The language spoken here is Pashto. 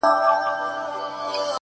o که زر کلونه ژوند هم ولرمه؛